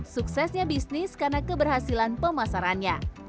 suksesnya bisnis karena keberhasilan pemasarannya